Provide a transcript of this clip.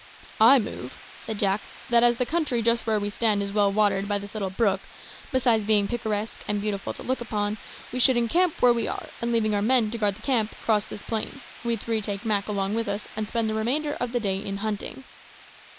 "I move," said Jack, "that as the country just where we stand is well watered by this little brook, besides being picturesque and beautiful to look upon, we should encamp where we are, and leaving our men to guard the camp, cross this plain we three take Mak along with us, and spend the remainder of the day in hunting."